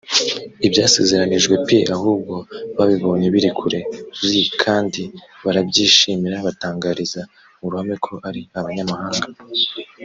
ibyasezeranyijwe p ahubwo babibonye biri kure r kandi barabyishimira batangariza mu ruhame ko ari abanyamahanga